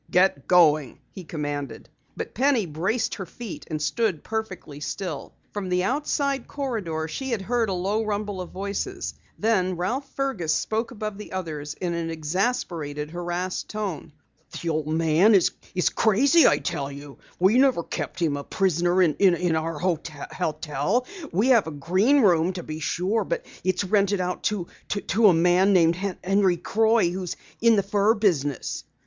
"Get going!" he commanded. But Penny braced her feet and stood perfectly still. From the outside corridor she had heard a low rumble of voices. Then Ralph Fergus spoke above the others, in an exasperated, harassed tone: "This old man is crazy, I tell you! We never kept him a prisoner in our hotel. We have a Green Room, to be sure, but it is rented out to a man named Henri Croix who is in the fur business."